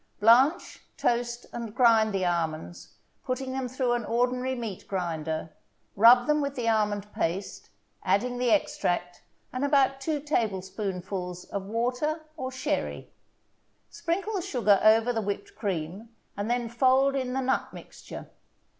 Blanch, toast and grind the almonds, putting them through an ordinary meat grinder; rub them with the almond paste, adding the extract and about two tablespoonfuls of water or sherry. Sprinkle the sugar over the whipped cream, and then fold in the nut mixture.